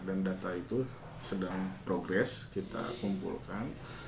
dan data itu sedang progres kita kumpulkan